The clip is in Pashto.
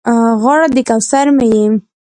غاړه د کوثر مې یې